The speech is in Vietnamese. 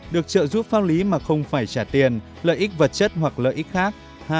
được trợ giúp pháp lý mà không phải trả tiền lợi ích vật chất hoặc lợi ích khác